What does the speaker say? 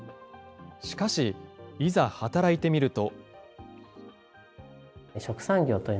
しかし、いざ働いてみると。